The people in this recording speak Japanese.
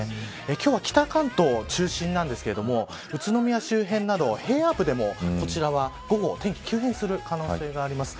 今日は、北関東中心なんですが宇都宮周辺など、平野部でもこちらは午後天気が急変する可能性があります。